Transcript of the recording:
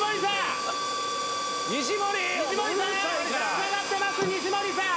つながってます西森さん！